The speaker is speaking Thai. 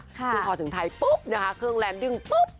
พื้นหาถึงไทยปุ๊บเครื่องแรนดรึ่งปุ๊บ